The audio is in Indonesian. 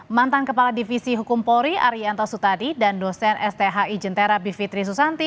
mantan kepala divisi hukum polri arianto sutadi dan dosen sthi jentera bivitri susanti